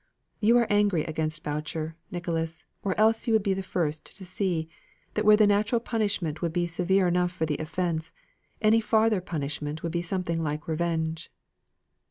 "You are angry against Boucher, Nicholas; or else you would be the first to see, that where the natural punishment would be severe enough for the offence, any farther punishment would be something like revenge."